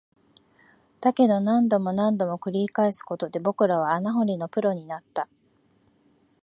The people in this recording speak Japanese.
だけど、何度も何度も繰り返すことで、僕らは穴掘りのプロになった